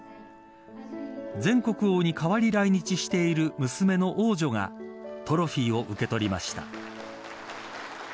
前国王に代わり来日している娘の王女がトロフィーを受け取りました。